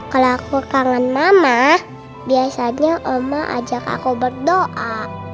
kalau aku kangen mama biasanya oma ajak aku berdoa